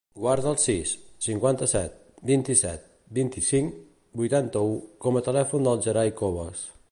Guarda el sis, cinquanta-set, vint-i-set, vint-i-cinc, vuitanta-u com a telèfon del Gerai Cobas.